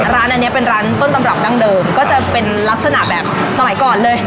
ร้านอันนี้เป็นร้านต้นตำรับดั้งเดิมก็จะเป็นลักษณะแบบสมัยก่อนเลย